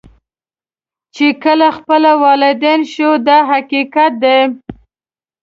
چې کله خپله والدین شو دا حقیقت دی.